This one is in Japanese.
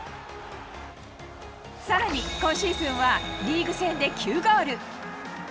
さらに、今シーズンはリーグ戦で９ゴール。